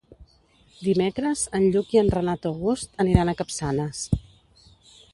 Dimecres en Lluc i en Renat August aniran a Capçanes.